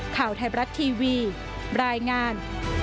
ข่าวไทยบรัฐทีวีรายงาน